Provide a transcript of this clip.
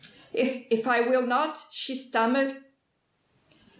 "If if I will not?" she stammered.